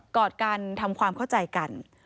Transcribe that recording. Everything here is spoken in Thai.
อดกันทำความเข้าใจกัน